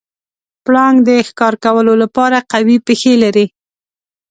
پړانګ د ښکار کولو لپاره قوي پښې لري.